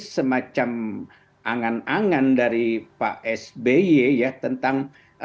semacam angan angan dari pak sby ya tentang